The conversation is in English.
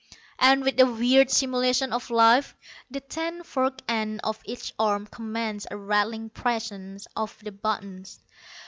And, with a weird simulation of life, the ten forked ends of each arm commenced a rattling pressing of the buttons.